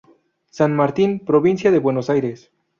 San Martín", provincia de Buenos Aires.